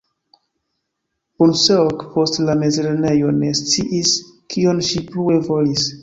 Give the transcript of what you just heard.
Bunskoek post la mezlernejo ne sciis kion ŝi plue volis.